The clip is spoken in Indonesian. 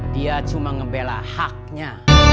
dia cuma ngebela haknya